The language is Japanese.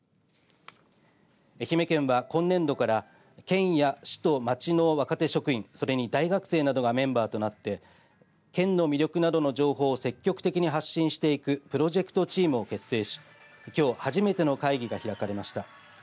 愛媛県は今年度から県や市と町の若手職員、それに大学生などがメンバーとなって県の魅力などの情報を積極的に発信していくプロジェクトチームを結成しきょう初めての会議が開かれました。